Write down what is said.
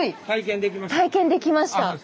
体験できました？